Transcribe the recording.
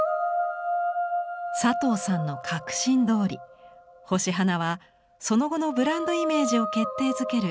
佐藤さんの確信どおりホシハナはその後のブランドイメージを決定づける